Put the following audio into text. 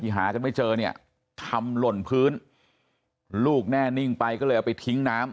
หากันไม่เจอเนี่ยทำหล่นพื้นลูกแน่นิ่งไปก็เลยเอาไปทิ้งน้ำ